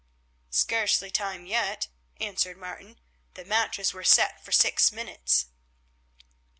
"Scarcely time yet," answered Martin, "the matches were set for six minutes."